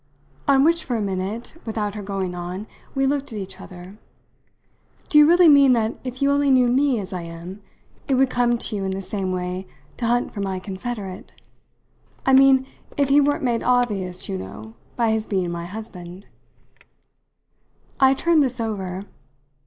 On which for a minute, without her going on, we looked at each other. "Do you really mean that if you only knew me as I am, it would come to you in the same way to hunt for my confederate? I mean if he weren't made obvious, you know, by his being my husband." I turned this over.